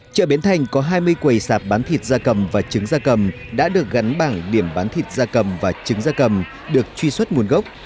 chợ bến thành có hai mươi quầy sạp bán thịt da cầm và trứng da cầm đã được gắn bảng điểm bán thịt da cầm và trứng da cầm được truy xuất nguồn gốc